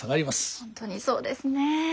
本当にそうですね。